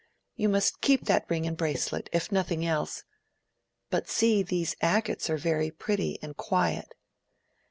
"You must keep that ring and bracelet—if nothing else. But see, these agates are very pretty and quiet."